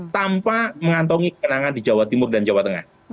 tanpa mengantongi kenangan di jawa timur dan jawa tengah